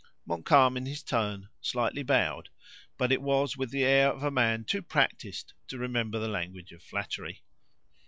Montcalm, in his turn, slightly bowed, but it was with the air of a man too practised to remember the language of flattery.